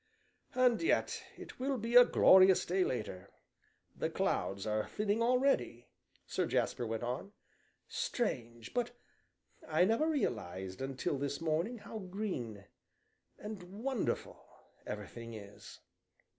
"And yet it will be a glorious day later. The clouds are thinning already," Sir Jasper went on; "strange, but I never realized, until this morning, how green and wonderful everything is!"